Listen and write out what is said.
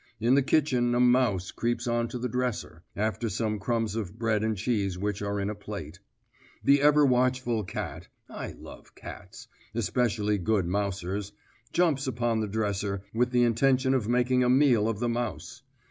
In the kitchen a mouse creeps on to the dresser, after some crumbs of bread and cheese which are in a plate. The ever watchful cat I love cats, especially good mousers jumps upon the dresser, with the intention of making a meal of the mouse.